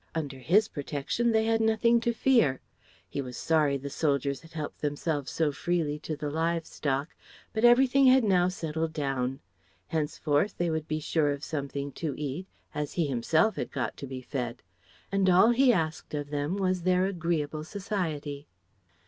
Under his protection they had nothing to fear. He was sorry the soldiers had helped themselves so freely to the livestock; but everything had now settled down. Henceforth they would be sure of something to eat, as he himself had got to be fed. And all he asked of them was their agreeable society.